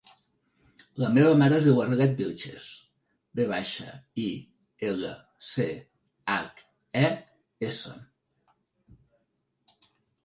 La meva mare es diu Arlet Vilches: ve baixa, i, ela, ce, hac, e, essa.